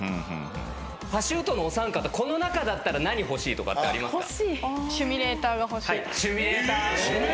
パシュートのお三方この中だったら何欲しいとかってありますか？